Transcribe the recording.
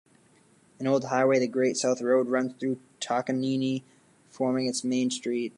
An old highway, the Great South Road, runs through Takanini, forming its main street.